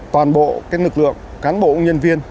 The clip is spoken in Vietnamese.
toàn bộ các nực lượng cán bộ nhân viên